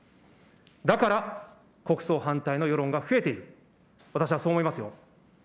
だから国葬反対の世論が増えている、私はそう思いますよ。